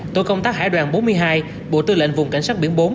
tổ công tác hải đoàn bốn mươi hai bộ tư lệnh vùng cảnh sát biển bốn